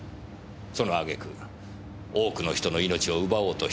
そのあげく多くの人の命を奪おうとしている。